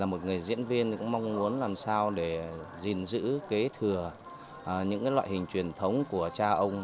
một người diễn viên cũng mong muốn làm sao để gìn giữ kế thừa những loại hình truyền thống của cha ông